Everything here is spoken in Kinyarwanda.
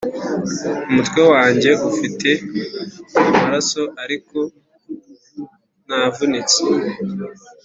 umutwe wanjye ufite amaraso, ariko ntavunitse.